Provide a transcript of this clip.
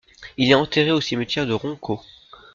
Il est enterré au cimetière de Ronco.